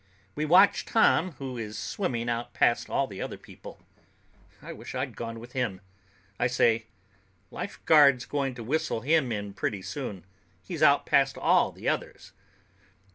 We watch Tom, who is swimming out past all the other people. I wish I'd gone with him. I say, "Lifeguard's going to whistle him in pretty soon. He's out past all the others."